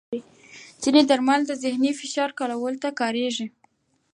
ځینې درمل د ذهني فشار کمولو ته کارېږي.